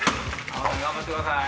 頑張ってください。